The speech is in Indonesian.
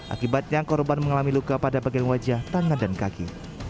akibatnya korban mengalami luka pada bagian wajah tangan dan kaki